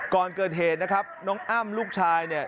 ก่อนเกิดเหตุนะครับน้องอ้ำลูกชายเนี่ย